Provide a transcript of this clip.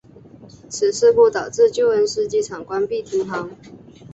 此事故导致旧恩施机场关闭停航。